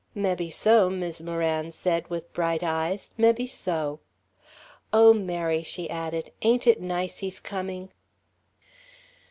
"Mebbe so," Mis' Moran said with bright eyes, "mebbe so. Oh, Mary," she added, "ain't it nice he's coming?"